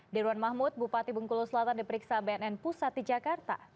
dirwan mahmud bupati bengkulu selatan diperiksa bnn pusat di jakarta